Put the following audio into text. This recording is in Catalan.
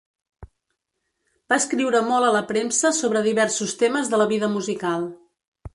Va escriure molt a la premsa sobre diversos temes de la vida musical.